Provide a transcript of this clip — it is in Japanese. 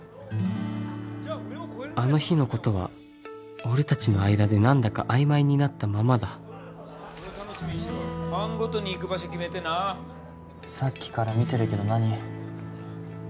あの日のことは俺達の間で何だか曖昧になったままだ班ごとに行く場所決めてなさっきから見てるけど何？